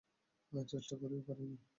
চেষ্টা করেও পারি নি।